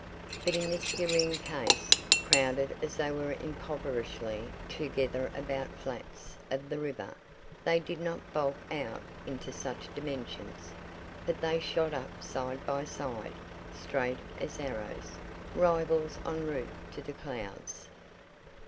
But in this Yering case, crowded as they were impoverishingly together upon flats of the river, they did not bulk out into such dimensions, but they shot up side by side, straight as arrows, rivals en route to the clouds.